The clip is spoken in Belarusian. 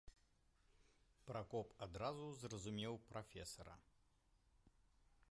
Пракоп адразу зразумеў прафесара.